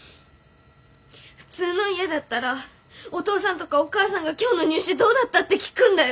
普通の家だったらお父さんとかお母さんが今日の入試どうだったって聞くんだよ！